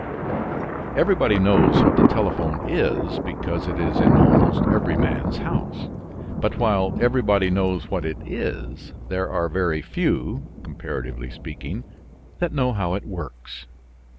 Everybody knows what the telephone is because it is in almost every man's house. But while everybody knows what it is, there are very few (comparatively speaking) that know how it works.